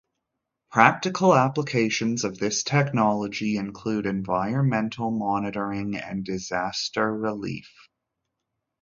Practical applications of this technology include environmental monitoring and disaster relief.